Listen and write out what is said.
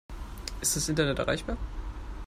Ist das Internet erreichbar?